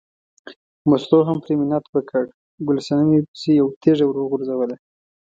مستو هم پرې منت وکړ، ګل صنمې پسې یوه تیږه ور وغورځوله.